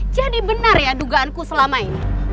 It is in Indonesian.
jadi benar ya dugaanku selama ini